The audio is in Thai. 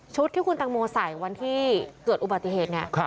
ที่คุณตังโมใส่วันที่เกิดอุบัติเหตุเนี่ย